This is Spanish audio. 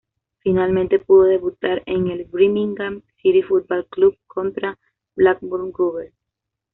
Finalmente pudo debutar en el Birmingham City Football Club contra Blackburn Rovers.